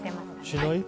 しない？